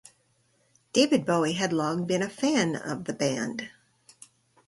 David Bowie had long been a fan of the band.